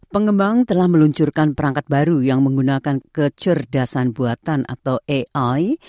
pengembang telah meluncurkan perangkat baru yang menggunakan kecerdasan buatan atau ai